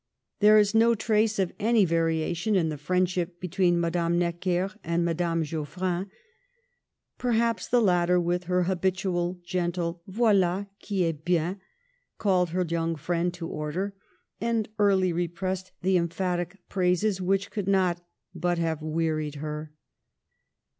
There is no trace of any variation in the friendship between Madame Necker and Mad ame Geoffrin. Perhaps the latter, with her ha bitual gentle " Voild, qui est bien" called her young friend to order, and early repressed the emphatic praises which could not but have wea ried her.